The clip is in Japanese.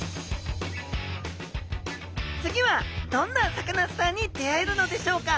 次はどんなサカナスターに出会えるのでしょうか？